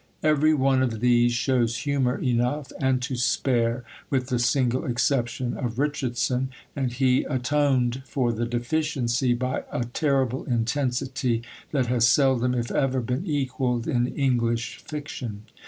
Every one of these shows humour enough and to spare, with the single exception of Richardson, and he atoned for the deficiency by a terrible intensity that has seldom, if ever, been equalled in English fiction.